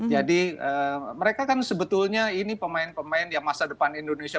jadi mereka kan sebetulnya ini pemain pemain ya masa depan indonesia